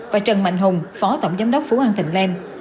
và trần mạnh hùng phó tổng giám đốc phú an thịnh lan